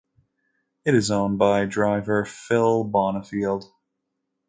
It is owned by driver Phil Bonifield.